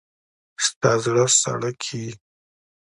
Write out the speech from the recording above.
ستا زړه ساړه کېږي.